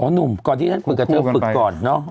หนุ่มก่อนที่ฉันคุยกับเธอฝึกก่อนเนอะ